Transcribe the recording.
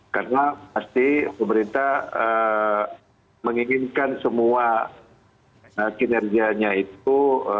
karena pasti pemerintah menginginkan semua kinerjanya itu